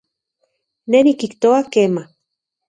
Ne nikijtoa kema